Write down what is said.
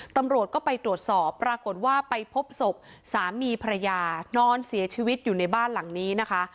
ตำรวจก็ไปตรวจสอบปรากฏว่าไปพบศพสามีภรรยานอนเสียชีวิตอยู่ในบ้านหลังนี้นะคะ